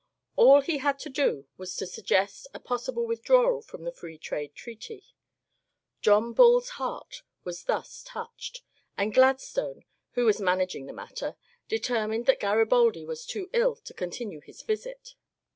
All he had to do was to suggest a possible withdrawal from the free trade treaty; John Bull's heart was thus touched ; and Gladstone, who was managing the matter, de termined that Garibaldi was too ill to continue his visit.